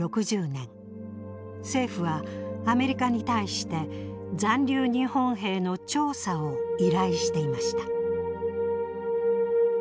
政府はアメリカに対して残留日本兵の調査を依頼していました。